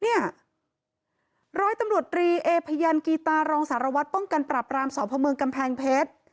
ร้อยตำรวจรีเอพยันกีตารองสารวัตรป้องกันปรับรามสพเมืองกำแพงเพชร